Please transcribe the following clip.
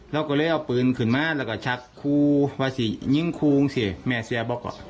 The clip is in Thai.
เราก็เลยเอาปืนขึ้นมาแล้วก็ชักครูว่าสิยิงครูสิแม่เสียบอก